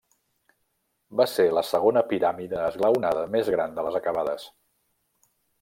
Va ser la segona piràmide esglaonada més gran de les acabades.